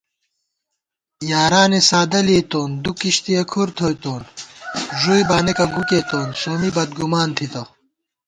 یارانےسادہ لېئیتون دُو کِشتِیَہ کھُر تھوئیتوں ݫُوئی بانېکہ گُو کېئیتون سومی بدگُمان تھِتہ